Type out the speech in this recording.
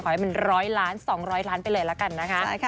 ให้มัน๑๐๐ล้าน๒๐๐ล้านไปเลยละกันนะคะ